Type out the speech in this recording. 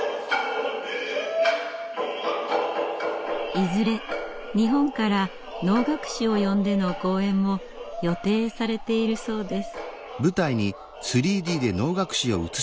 いずれ日本から能楽師を呼んでの公演も予定されているそうです。